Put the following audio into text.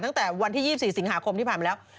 ตั้งแต่วันที่๒๔สิงหาคมที่ผ่านมาแล้ว